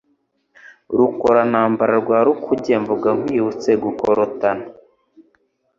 Rukora-ntambara rwa Rukuge, Mvuga nkwibutsa gukorotana